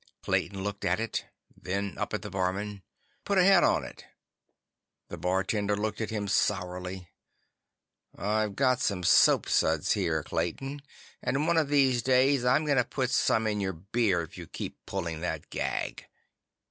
Clayton looked at it, then up at the barman. "Put a head on it." The bartender looked at him sourly. "I've got some soapsuds here, Clayton, and one of these days I'm gonna put some in your beer if you keep pulling that gag."